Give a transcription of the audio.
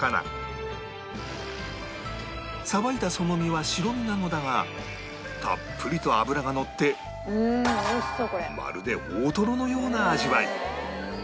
さばいたその身は白身なのだがたっぷりと脂がのってまるで大トロのような味わい